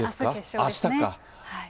あしたか。